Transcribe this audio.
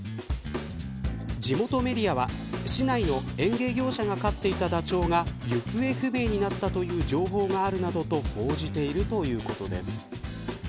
地元メディアは市内の園芸業者が飼っていたダチョウが行方不明になったという情報があるなどと報じているということです。